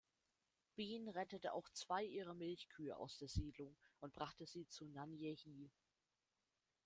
Bean rettete auch zwei ihrer Milchkühe aus der Siedlung und brachte sie zu Nanye-hi.